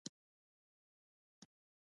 چې د چارسدي د سردرخيلو يو وتلے خان وو ،